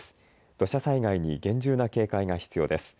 土砂災害に厳重な警戒が必要です。